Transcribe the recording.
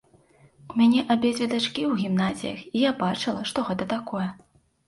У мяне абедзве дачкі ў гімназіях, і я бачыла, што гэта такое.